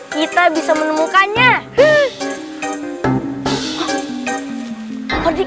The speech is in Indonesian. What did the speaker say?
di belakang ii